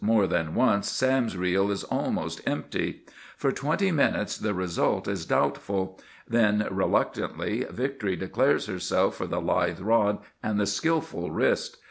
More than once Sam's reel is almost empty. For twenty minutes the result is doubtful. Then, reluctantly, victory declares herself for the lithe rod and the skilful wrist.